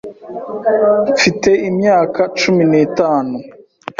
mfite imyaka cumi nitanu